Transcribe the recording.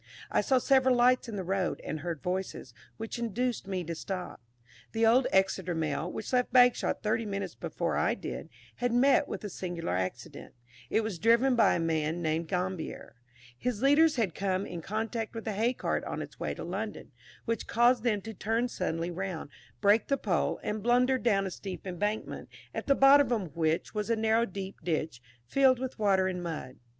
I saw several lights in the road, and heard voices, which induced me to stop. The old Exeter Mail, which left Bagshot thirty minutes before I did, had met with a singular accident; it was driven by a man named Gambier; his leaders had come in contact with a hay cart on its way to London, which caused them to turn suddenly round, break the pole, and blunder down a steep embankment, at the bottom of which was a narrow deep ditch filled with water and mud.